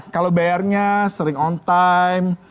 kalau bayarnya sering on time